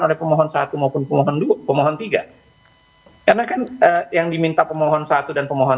oleh pemohon satu maupun pemohon dua pemohon tiga karena kan yang diminta pemohon satu dan pemohon